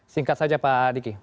singkat saja pak diki